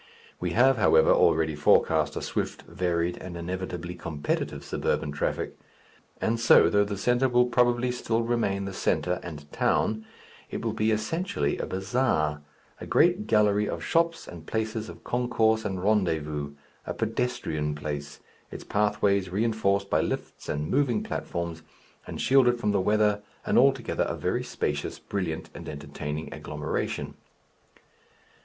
We have, however, already forecast a swift, varied, and inevitably competitive suburban traffic. And so, though the centre will probably still remain the centre and "Town," it will be essentially a bazaar, a great gallery of shops and places of concourse and rendezvous, a pedestrian place, its pathways reinforced by lifts and moving platforms, and shielded from the weather, and altogether a very spacious, brilliant, and entertaining agglomeration.